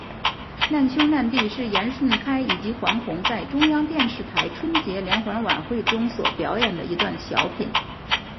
难兄难弟是严顺开以及黄宏在中央电视台春节联欢晚会中所表演的一段小品。